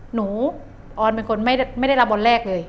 ออนเป็นคนไม่ได้รับวันแรกเลย